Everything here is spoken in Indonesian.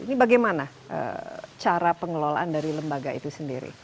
ini bagaimana cara pengelolaan dari lembaga itu sendiri